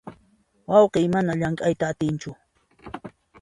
Wayqiy mana llamk'ayta atinchu.